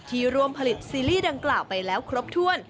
ที่ร่วมผลิตซีรีส์ดังกล่าวไปแล้วครบถ้วน